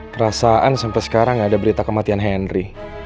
perasaan sampai sekarang gak ada berita kematian henry